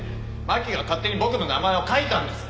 真希が勝手に僕の名前を書いたんです。